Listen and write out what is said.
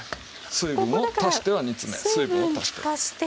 水分を足しては煮詰め水分を足して。